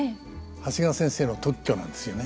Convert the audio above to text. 長谷川先生の特許なんですよね。